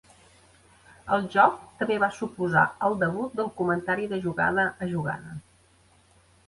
El joc també va suposar el debut del comentari de jugada a jugada.